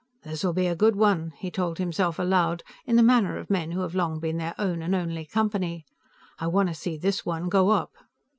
"This'll be a good one," he told himself aloud, in the manner of men who have long been their own and only company. "I want to see this one go up."